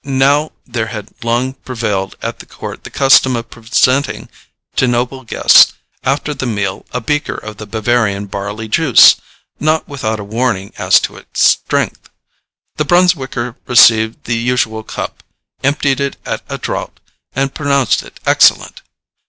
Now there had long prevailed at the court the custom of presenting to noble guests, after the meal, a beaker of the Bavarian barley juice, not without a warning as to its strength. The Brunswicker received the usual cup, emptied it at a draught, and pronounced it excellent.